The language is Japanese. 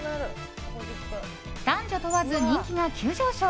男女問わず人気が急上昇。